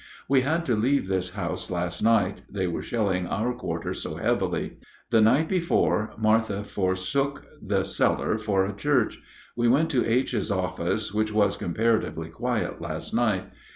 We had to leave this house last night, they were shelling our quarter so heavily. The night before, Martha forsook the cellar for a church. We went to H.'s office, which was comparatively quiet last night.